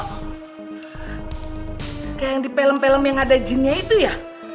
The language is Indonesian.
kayak yang di film film yang ada jinnya itu ya